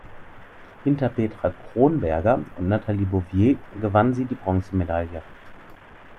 Hinter Petra Kronberger und Nathalie Bouvier gewann sie die Bronzemedaille.